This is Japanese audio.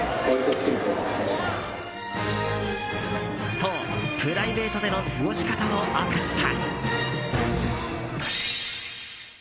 と、プライベートでの過ごし方を明かした。